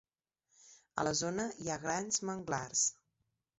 A la zona hi ha grans manglars.